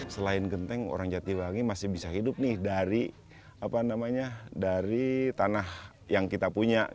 selain genteng orang jatiwangi masih bisa hidup nih dari tanah yang kita punya